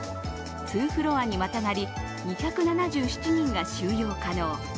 ２フロアにまたがり、２７７人が収容可能。